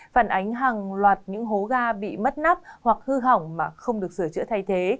phản ánh hàng loạt những hố ga bị mất nắp hoặc hư hỏng mà không được sửa chữa thay thế